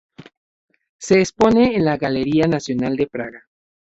Se expone en la Galería Nacional de Praga.